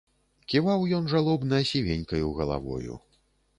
Ківаў ён жалобна сівенькаю галавою.